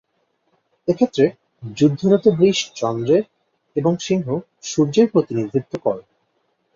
এক্ষেত্রে যুদ্ধরত বৃষ চন্দ্রের এবং সিংহ সূর্যের প্রতিনিধিত্ব করে।